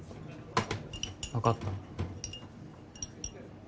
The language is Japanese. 分かった。